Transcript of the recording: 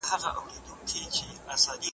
ورځي به توري شپې به ا وږدې وي .